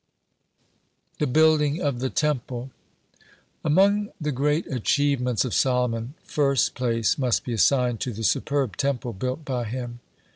(56) THE BUILDING OF THE TEMPLE Among the great achievements of Solomon first place must be assigned to the superb Temple built by him.